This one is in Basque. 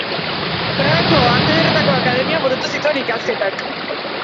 Pragako Arte Ederretako Akademian burutu zituen ikasketak.